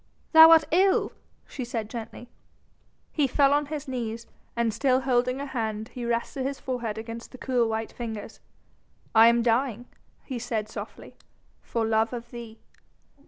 "Thou art ill!" she said gently. He fell on his knees, and still holding her hand he rested his forehead against the cool white fingers. "I am dying," he said softly, "for love of thee."